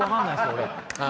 俺。